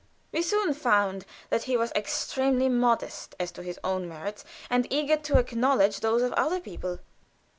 We soon found that he was extremely modest as to his own merits and eager to acknowledge those of other people.